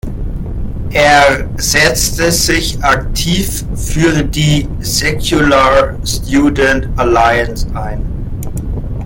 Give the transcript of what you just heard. Er setzte sich aktiv für die Secular Student Alliance ein.